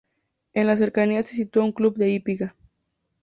En las cercanías se sitúa un club de hípica.